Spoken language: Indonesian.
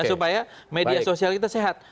supaya media sosial kita sehat